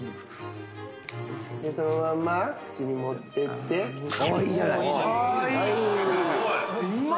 そのまんま口に持ってってああいいじゃない。